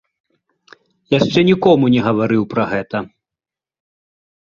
Яшчэ нікому не гаварыў пра гэта.